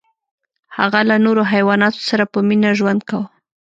هغه له نورو حیواناتو سره په مینه ژوند کاوه.